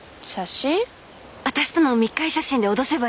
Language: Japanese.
私との密会写真で脅せばいいわ。